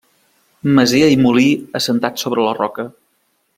Masia i molí assentat sobre la roca.